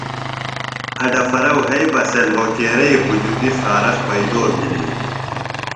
اڈپھرہ وھئ بہ سے لھوکیرئی ہجُتیۡ خارخ پیئدو بھِلیۡ ہِنیۡ